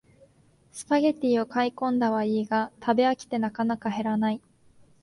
スパゲティを買いこんだはいいが食べ飽きてなかなか減らない